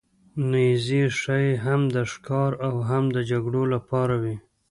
نیزې ښايي هم د ښکار او هم د جګړو لپاره وې.